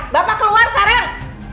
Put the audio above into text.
bapak keluar sekarang